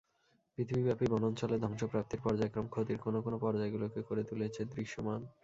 পৃথিবীব্যাপী বনাঞ্চলের ধ্বংস প্রাপ্তির পর্যায়ক্রম ক্ষতির কোন কোন পর্যায়গুলোকে করে তুলেছে দৃশ্যমান।